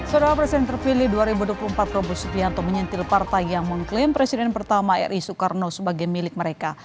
saudara presiden terpilih dua ribu dua puluh empat prabowo subianto menyentil partai yang mengklaim presiden pertama ri soekarno sebagai milik mereka